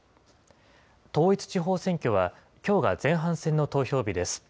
統一地方選挙はきょうが前半戦の投票日です。